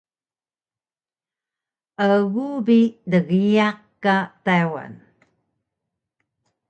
Egu bi dgiyaq ka Taywan